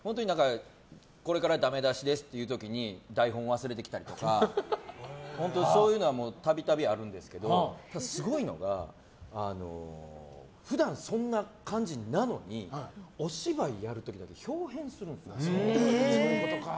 これからダメ出しですっていう時に台本を忘れてきたりとかそういうのは度々あるんですけど、すごいのが普段、そんな感じなのにお芝居をやる時だけ豹変するんですよ。